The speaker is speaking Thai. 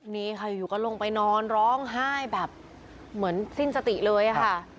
นี่ค่ะอยู่ก็ลงไปนอนร้องไห้แบบเหมือนสิ้นสติเลยค่ะ